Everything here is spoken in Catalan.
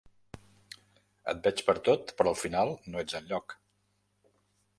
Et veig pertot però al final no ets enlloc.